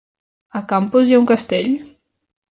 A Campos hi ha un castell?